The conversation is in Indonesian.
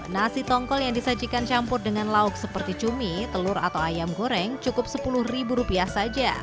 nasi tongkol yang disajikan campur dengan lauk seperti cumi telur atau ayam goreng cukup sepuluh rupiah saja